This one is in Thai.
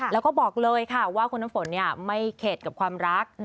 แล้วก็บอกเลยค่ะว่าคุณน้ำฝนไม่เข็ดกับความรัก